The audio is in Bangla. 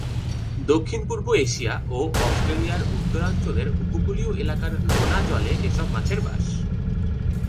দক্ষিণ-পূর্ব এশিয়া ও অস্ট্রেলিয়ার উত্তরাঞ্চলের উপকূলীয় এলাকার লোনা জলে এসব মাছের বাস।